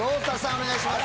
お願いします